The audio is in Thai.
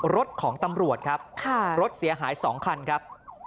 รถของตำรวจครับรถเสียหาย๒คันครับ